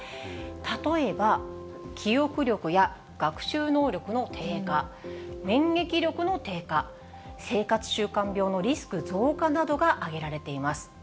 例えば、記憶力や学習能力の低下、免疫力の低下、生活習慣病のリスク増加などが挙げられています。